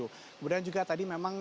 kemudian juga tadi memang